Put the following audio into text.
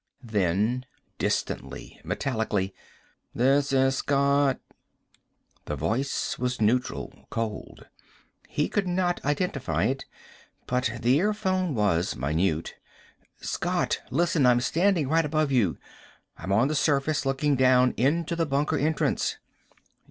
Then, distantly, metallically "This is Scott." The voice was neutral. Cold. He could not identify it. But the earphone was minute. "Scott! Listen. I'm standing right above you. I'm on the surface, looking down into the bunker entrance."